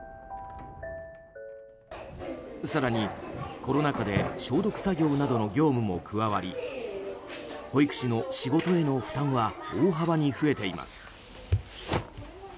更にコロナ禍で消毒作業などの業務も加わり保育士の仕事への負担は大幅に増えています。